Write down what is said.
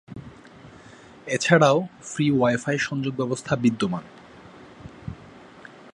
এছাড়াও, free wifi সংযোগ ব্যবস্থা বিদ্যমান।